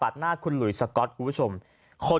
อ้าวดูหาเรื่องเฉย